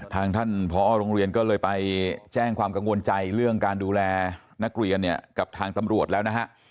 ทางท่านพอโรงเรียนก็เลยไปแจ้งความกังวลใจเรื่องการดูแลนักเรียนเนี่ยกับทางตำรวจแล้วนะฮะ